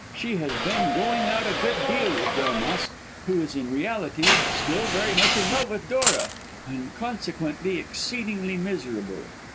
She has been going out a good deal with Delmas, who is in reality still very much in love with Dora, and consequently exceedingly miserable.